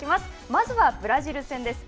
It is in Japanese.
まずはブラジル戦です。